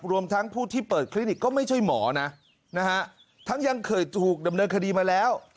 รวมทั้งผู้ที่เปิดคลินิกก็ไม่ใช่หมอนะนะฮะทั้งยังเคยถูกดำเนินคดีมาแล้ว